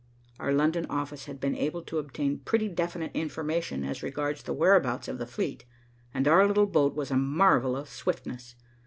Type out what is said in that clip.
Our London office had been able to obtain pretty definite information as regards the whereabouts of the fleet, and our little boat was a marvel of swiftness.